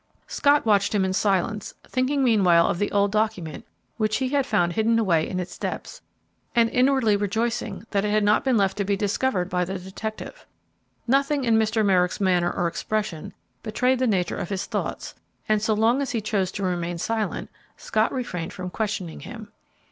Scott watched him in silence, thinking meanwhile of the old document which he had found hidden away in its depths, and inwardly rejoicing that it had not been left to be discovered by the detective. Nothing in Mr. Merrick's manner or expression betrayed the nature of his thoughts, and, so long as he chose to remain silent, Scott refrained from questioning him.